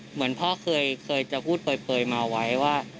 เหมือนพ่อเคยจะพูดเปลยมาไว้ว่า